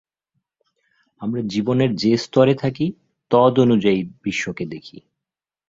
আমরা জীবনের যে স্তরে থাকি, তদনুযায়ী বিশ্বকে দেখি।